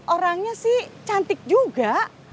orangnya sih cantik juga